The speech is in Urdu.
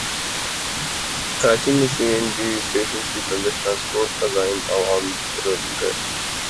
کراچی میں سی این جی اسٹیشنز کی بندش ٹرانسپورٹ غائب عوام رل گئے